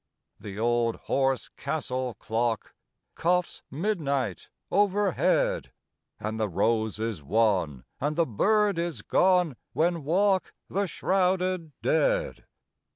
The old, hoarse castle clock Coughs midnight overhead And the rose is wan and the bird is gone When walk the shrouded dead.